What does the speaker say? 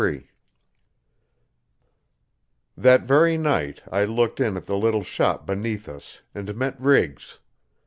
Chapter 33 That very night, I looked in at the little shop beneath us and met Riggs.